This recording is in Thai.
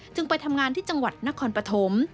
ไปทำงานที่จังหวัดนครปฐม